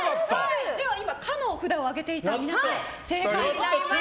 今、可の札を上げていた皆さん正解になります。